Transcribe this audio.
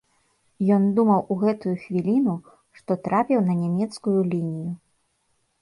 Ён думаў у гэтую хвіліну, што трапіў на нямецкую лінію.